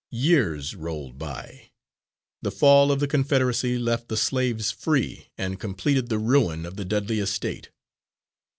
Years rolled by. The fall of the Confederacy left the slaves free and completed the ruin of the Dudley estate.